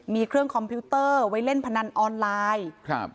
มีเครื่องคอมพิวเตอร์ไว้เล่นพนันออนไลน์ครับ